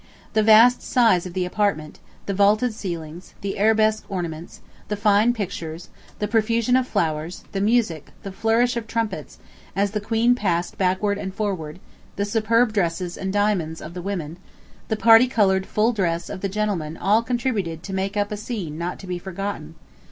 The vast size of the apartment, the vaulted ceilings, the arabesque ornaments, the fine pictures, the profusion of flowers, the music, the flourish of trumpets, as the Queen passed backward and forward, the superb dresses and diamonds of the women, the parti colored full dress of the gentlemen all contributed to make up a scene not to be forgotten.